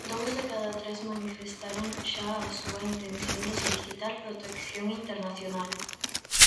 Dous de cada tres manifestaron xa a súa intención de solicitar protección internacional.